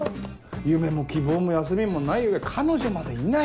夢も希望も休みもない上彼女までいない！